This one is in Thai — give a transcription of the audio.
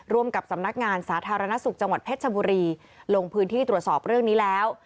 ร่วมกับสำนักงานสาธารณสุขจังหวัดเพชรชบุรีลงพื้นที่ตรวจสอบเรื่องนี้แล้ว